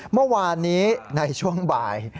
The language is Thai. เมื่อวานนี้ในช่วงบ่าย